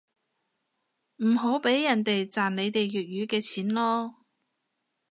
唔好畀人哋賺你哋粵語嘅錢囉